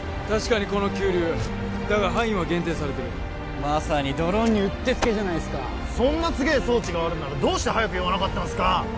確かにこの急流だが範囲は限定されてるまさにドローンにうってつけじゃないっすかそんなすげえ装置があるならどうして早く言わなかったんすか！